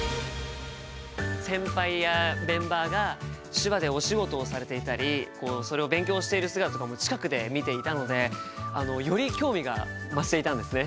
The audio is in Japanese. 先輩やメンバーが手話でお仕事をされていたりそれを勉強している姿とかも近くで見ていたのでより興味が増していたんですね。